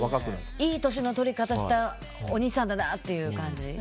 いい年の取り方したお兄さんだなという感じ。